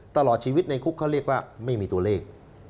ตลอดชีวิตในคุกเขาเรียกว่าไม่มีตัวเลข